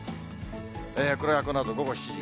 これはこのあと午後７時。